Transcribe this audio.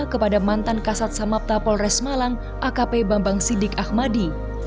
kepada mantan kasat samapta polres malang akp bambang sidik ahmadi